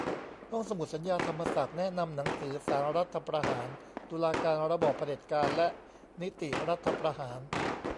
ห้องสมุดสัญญา ธรรมศักดิ์ แนะนำหนังสือ "ศาลรัฐประหาร : ตุลาการ ระบอบเผด็จการ และนิติรัฐประหาร"